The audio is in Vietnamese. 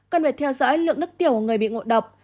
cần phải theo dõi lượng nước tiểu người bị ngộ độc